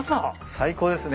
最高ですね。